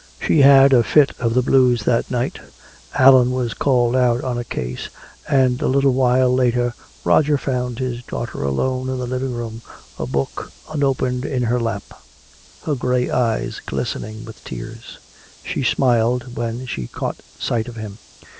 She had a fit of the blues that night. Allan was called out on a case, and a little while later Roger found his daughter alone in the living room, a book unopened in her lap, her gray eyes glistening with tears. She smiled when she caught sight of him.